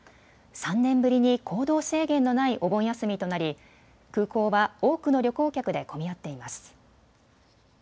３年ぶりに行動制限のないお盆休みとなり、空港は多くの旅行客で混み合っています。